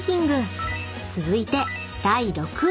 ［続いて第６位］